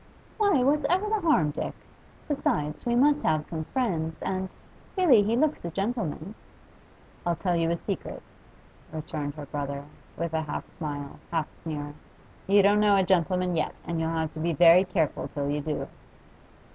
'Why, what ever's the harm, Dick? Besides, we must have some friends, and really he looks a gentleman.' I'll tell you a secret,' returned her brother, with a half smile, half sneer. 'You don't know a gentleman yet, and you'll have to be very careful till you do.